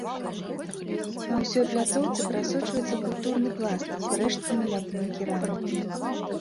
На ўсёй пляцоўцы прасочваецца культурны пласт з рэшткамі ляпной керамікі.